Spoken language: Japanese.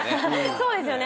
そうですよね。